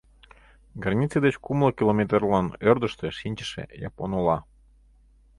Граница деч кумло километрлан ӧрдыжтӧ шинчыше япон ола.